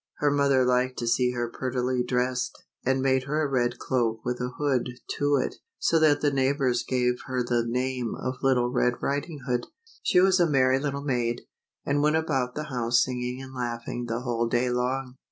Her mother liked to see her prettily dressed, and made her a red cloak with a hood to it, so that the neighbors gave her the name of Little Red Riding Hood. She was a merry little maid, and went about the house singing and laughing the whole day long.